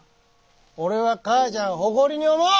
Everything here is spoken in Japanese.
俺は母ちゃんを誇りに思う！